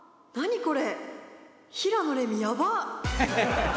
これ！